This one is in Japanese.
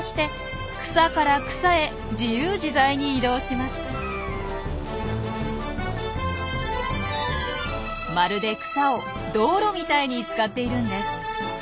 まるで草を道路みたいに使っているんです。